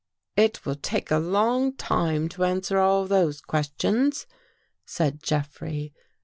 " It will take a long time to answer all those questions," said Jeffrey.